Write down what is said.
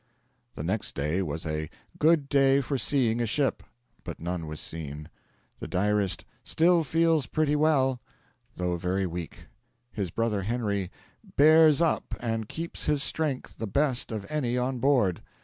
The next day was 'a good day for seeing a ship.' But none was seen. The diarist 'still feels pretty well,' though very weak; his brother Henry 'bears up and keeps his strength the best of any on board.'